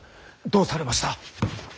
どうされました。